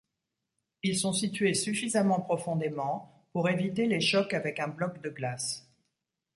Ils sont situés suffisamment profondément pour éviter les chocs avec un bloc de glace.